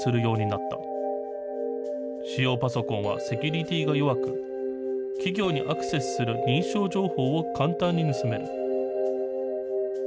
パソコンはセキュリティーが弱く、企業にアクセスする認証情報を簡単に盗める。